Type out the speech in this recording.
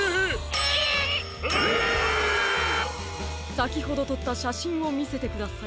さきほどとったしゃしんをみせてください。